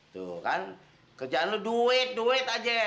tuh kan kerjaan lu duit duit aja